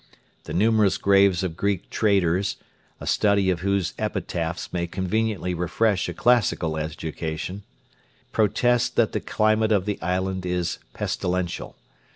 The numerous graves of Greek traders a study of whose epitaphs may conveniently refresh a classical education protest that the climate of the island is pestilential.